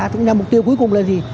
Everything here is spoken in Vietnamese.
chúng ta mục tiêu cuối cùng là gì